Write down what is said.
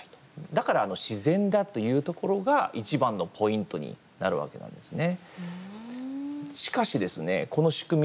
だから、自然だというところが一番のポイントになるわけなんですね。